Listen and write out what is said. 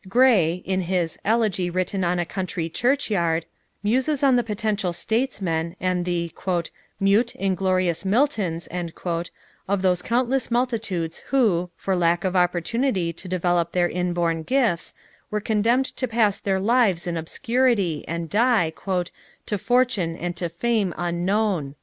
Gray, in his Elegy Written in a Country Churchyard, muses on the potential statesmen and the "mute, inglorious Miltons" of those countless multitudes who, for lack of opportunity to develop their inborn gifts, were condemned to pass their lives in obscurity and die, "to Fortune and to Fame unknown."